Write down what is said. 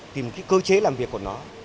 tìm cơ chế làm việc của nó